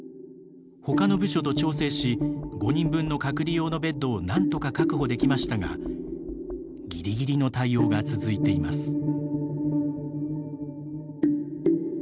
ほかの部署と調整し５人分の隔離用のベッドをなんとか確保できましたがギリギリの対応が続いています。